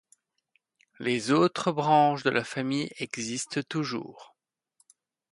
Les autres branches de la famille existent toujours.